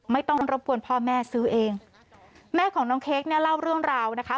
ไม่ต้องรบกวนพ่อแม่ซื้อเองแม่ของน้องเค้กเนี่ยเล่าเรื่องราวนะคะ